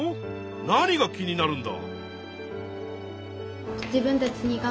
何が気になるんだ。